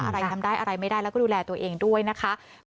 อะไรทำได้อะไรไม่ได้แล้วก็ดูแลตัวเองด้วยนะคะ